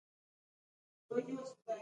کوکونه دوه په دوه یوځای شي ډیپلو کوکس یادیږي.